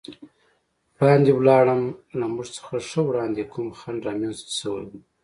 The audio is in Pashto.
وړاندې ولاړم، له موږ څخه ښه وړاندې کوم خنډ رامنځته شوی و.